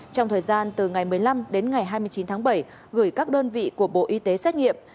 trong thời gian từ ngày một mươi năm đến ngày hai mươi chín tháng bảy gửi các đơn vị của bộ y tế xét nghiệm